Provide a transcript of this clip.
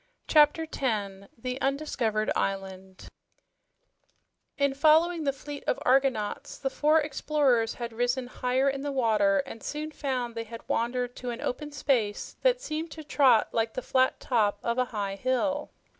CHAPTER 10 THE UNDISCOVERED ISLAND In following the fleet of argonauts, the four explorers had risen higher in the water and soon found they had wandered to an open space that seemed to Trot like the flat top of a high hill.